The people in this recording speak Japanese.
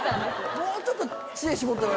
もうちょっと。